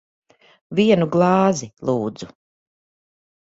Vienu glāzi. Lūdzu.